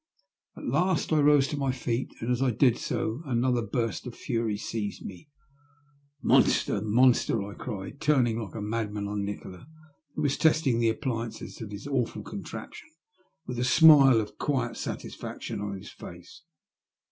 At last I rose to my feet, and as I did so another burst of fury seized me. " Monster ! Murderer !*' I cried, turning like a madman on Nikola, who was testing the appliances of his awful invention with a smile of quiet satisfac tion on his face.